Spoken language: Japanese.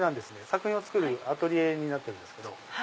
作品を作るアトリエになってるんですけど。